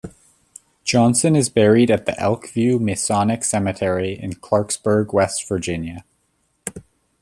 Johnson is buried at the Elkview Masonic Cemetery in Clarksburg, West Virginia.